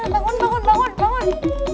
bangun bangun bangun